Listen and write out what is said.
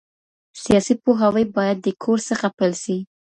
سياسي پوهاوی بايد د کور څخه پيل سي.